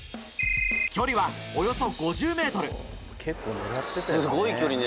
距離は、およそ５０ｍ。